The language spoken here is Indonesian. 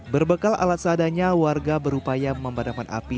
berbekal alat seadanya warga berupaya memadamkan api